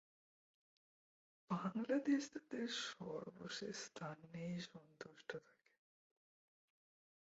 বাংলাদেশ তাদের সর্বশেষ স্থান নিয়েই সন্তুষ্ট থাকে।